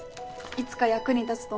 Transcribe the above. いつか役に立つと思って